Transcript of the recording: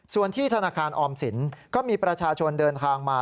ส่วนที่ธนาคารออมสินก็มีประชาชนเดินทางมา